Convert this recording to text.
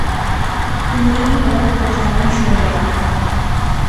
اُنی او پچھانی شوڑیا